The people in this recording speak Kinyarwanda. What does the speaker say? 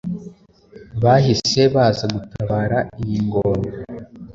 bahise baza gutabara iyi ngona ,